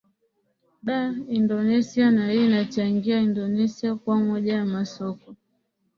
da indonesia na hii inachangia indonesia kuwa moja ya masoko